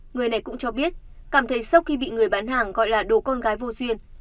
người này cũng cho biết cảm thấy sau khi bị người bán hàng gọi là đồ con gái vô duyên